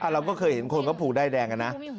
เราก็เคยเห็นคนเขาผูกด้ายแดงกันนะ